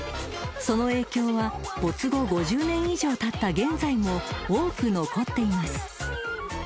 ［その影響は没後５０年以上たった現在も多く残っています］